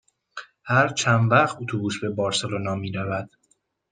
هر چند وقت اتوبوس به بارسلونا می رود؟